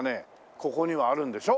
ここにはあるんでしょ？